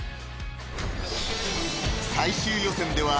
［最終予選では］